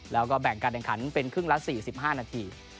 แล้วก็แบ่งการแข่งขันเป็นครึ่งละ๔๕นาที